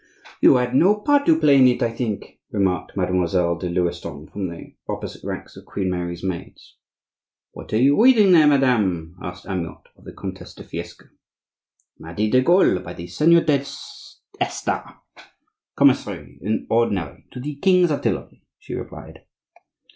"You had no part to play in it, I think?" remarked Mademoiselle de Lewiston from the opposite ranks of Queen Mary's maids. "What are you reading there, madame?" asked Amyot of the Comtesse de Fiesque. "'Amadis de Gaule,' by the Seigneur des Essarts, commissary in ordinary to the king's artillery," she replied.